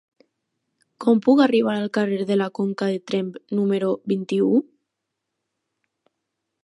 Com puc arribar al carrer de la Conca de Tremp número vint-i-u?